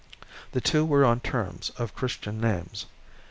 The two were on terms of Christian names.